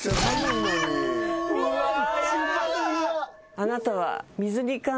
あなたは。